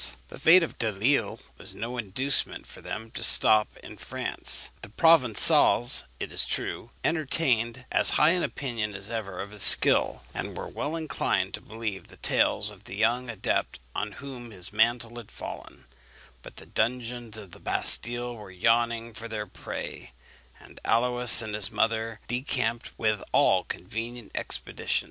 The fate of Delisle was no inducement for them to stop in France. The Provençals, it is true, entertained as high an opinion as ever of his skill, and were well inclined to believe the tales of the young adept on whom his mantle had fallen; but the dungeons of the Bastille were yawning for their prey, and Aluys and his mother decamped with all convenient expedition.